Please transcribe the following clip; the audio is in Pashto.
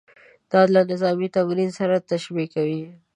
دا له نظامي تمریناتو سره تشبیه کوي.